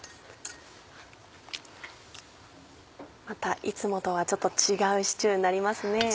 またいつもとはちょっと違うシチューになりますね。